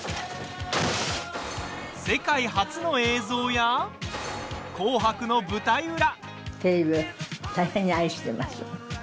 世界初の映像や「紅白」の舞台裏。